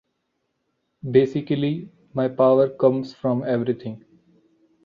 Basically, my power comes from everything.